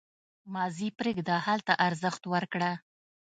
• ماضي پرېږده، حال ته ارزښت ورکړه.